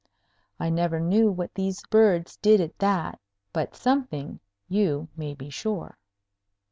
I never knew what these birds did at that; but something, you may be sure.